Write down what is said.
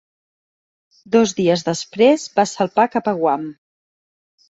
Dos dies després, va salpar cap a Guam.